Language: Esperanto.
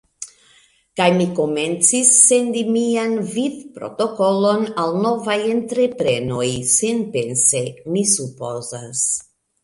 Kaj mi komencis sendi mian vivprotokolon al novaj entreprenoj, senpense, mi supozas.